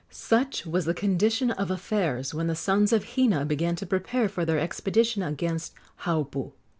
Such was the condition of affairs when the sons of Hina began to prepare for their expedition against Haupu.